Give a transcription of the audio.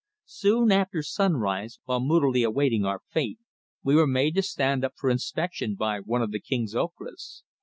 Soon after sunrise, while moodily awaiting our fate, we were made to stand up for inspection by one of the King's Ocras.